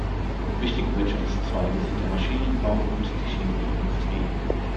Wichtige Wirtschaftszweige sind der Maschinenbau und die chemische Industrie.